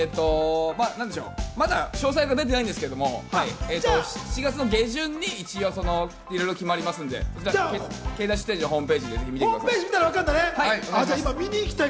まだ詳細が出ていないんですけれども、７月の下旬に一応決まりますのでケイダッシュステージのホームページを見てください。